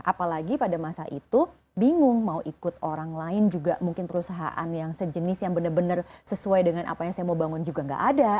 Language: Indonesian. apalagi pada masa itu bingung mau ikut orang lain juga mungkin perusahaan yang sejenis yang benar benar sesuai dengan apa yang saya mau bangun juga nggak ada